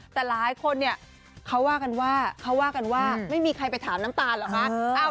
แต่หลายคนเขาว่ากันว่าไม่มีใครไปถามน้ำตาลหรือคะ